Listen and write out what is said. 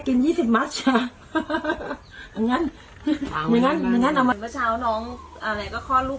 คลอดลูกบนตาเลงอ๋ออืมใช่ใช่อันนั้นก็อีก